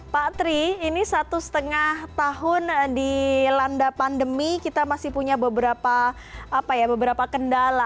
pak tri ini satu setengah tahun dilanda pandemi kita masih punya beberapa kendala